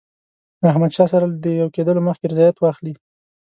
له احمدشاه سره له یو کېدلو مخکي رضایت واخلي.